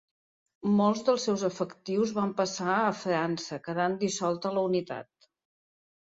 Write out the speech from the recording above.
Molts dels seus efectius van passar a França, quedant dissolta la unitat.